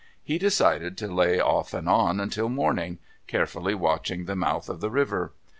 He decided to lay off and on until morning, carefully watching the mouth of the river.